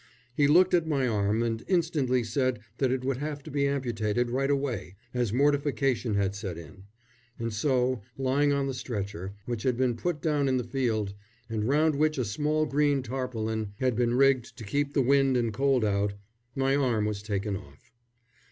He looked at my arm, and instantly said that it would have to be amputated right away, as mortification had set in; and so, lying on the stretcher, which had been put down in the field, and round which a small green tarpaulin had been rigged to keep the wind and cold out, my arm was taken off.